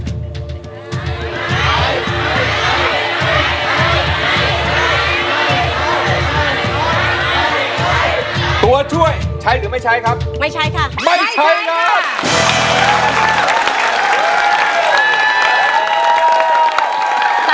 ตัวช่วยใช้หรือไม่ใช้ครับไม่ใช้ค่ะไม่ใช้ครับ